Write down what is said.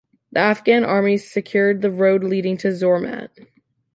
The Afghan Army secured the road leading to Zormat.